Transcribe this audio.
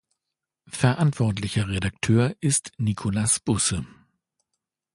Verantwortlicher Redakteur ist Nikolas Busse.